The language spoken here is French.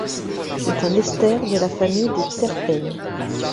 C'est un ester de la famille des terpènes.